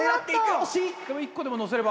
でも１個でものせれば！